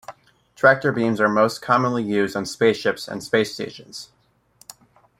Tractor beams are most commonly used on spaceships and space stations.